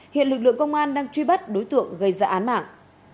hiện lực lượng công an đang truy bắt đối tượng gây ra án mạng